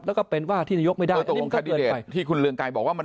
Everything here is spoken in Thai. แล้วก็เป็นว่าที่นายกไม่ได้ต้องตกลงคาร์ดิเดตที่คุณเรืองกายบอกว่า